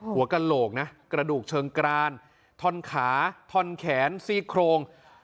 กระโหลกนะกระดูกเชิงกรานท่อนขาท่อนแขนซี่โครง